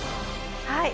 はい。